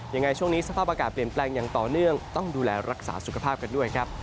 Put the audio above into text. ยังไงช่วงนี้สภาพอากาศเปลี่ยนแปลงอย่างต่อเนื่องต้องดูแลรักษาสุขภาพกันด้วยครับ